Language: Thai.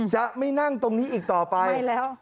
จะไม่นั่งตรงนี้อีกต่อไปใช่แล้ว